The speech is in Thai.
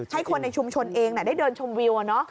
ให้คนในชุมชนเองได้เดินชมวิว